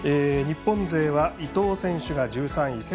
日本勢は伊藤選手が１３位。